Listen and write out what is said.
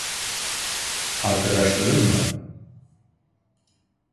Arkadaşların mı?